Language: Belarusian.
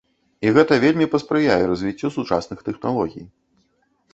І гэта вельмі паспрыяе развіццю сучасных тэхналогій.